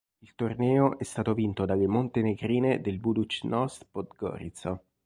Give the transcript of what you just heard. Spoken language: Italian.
Il torneo è stato vinto dalle montenegrine del Budućnost Podgorica.